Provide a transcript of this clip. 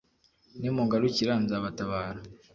nimungarukira nzabatabara